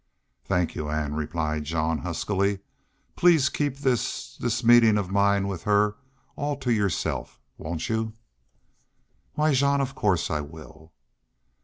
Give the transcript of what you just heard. "Thank you, Ann," replied Jean, huskily. "Please keep this this meetin' of mine with her all to yourself, won't you?" "Why, Jean, of course I will."